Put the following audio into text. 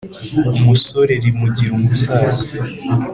Umusore rimugira umusaza